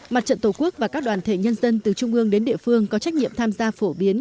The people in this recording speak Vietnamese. mặt trận tổ quốc và các đoàn thể nhân dân từ trung ương đến địa phương có trách nhiệm tham gia phổ biến